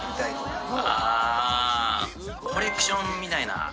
コレクションみたいな。